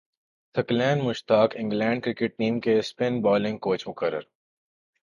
ثقلین Mushtaq England cricket team کے spin bowling coach مقرر